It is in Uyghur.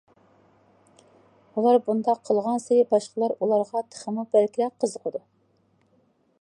ئۇلار بۇنداق قىلغانسېرى باشقىلار ئۇنىڭغا تېخىمۇ بەكرەك قىزىقىدۇ.